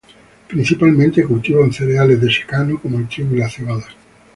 Principalmente cultivan cereales de secano como el trigo y la cebada.